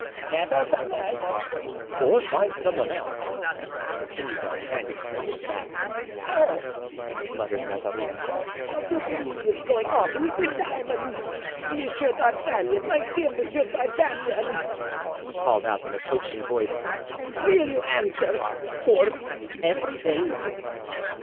"Nevertheless——" "Or find some one else," continued D'Artagnan, turning his back. "Oh!" muttered Mazarin, "I do believe he is going off with the diamond! M. d'Artagnan, my dear M. d'Artagnan," he called out in a coaxing voice, "will you answer for everything?"